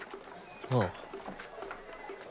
ああ。